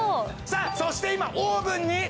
さあそして今オーブンに。